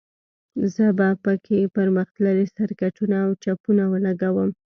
زه به په کې پرمختللي سرکټونه او چپونه ولګوم